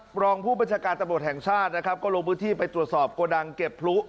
พลองผู้บรรจการจำนวดแห่งชาติก็ลงพื้นที่ไปตรวจสอบโกดังเก็บพลุ